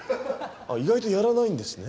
意外とやらないんですね。